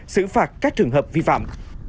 xử phạt các trường hợp vi phạm